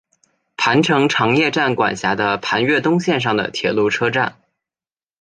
磐城常叶站管辖的磐越东线上的铁路车站。